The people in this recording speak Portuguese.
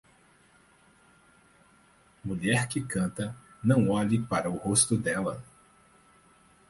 Mulher que canta, não olhe para o rosto dela.